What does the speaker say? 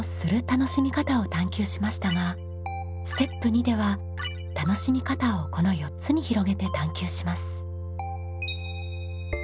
楽しみ方を探究しましたがステップ２では楽しみ方をこの４つに広げて探究します。